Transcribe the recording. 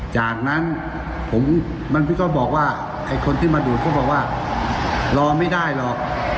จากนั้นผมก็บอกว่าไอ้คนที่มาดูดเขาบอกว่ารอไม่ได้หรอก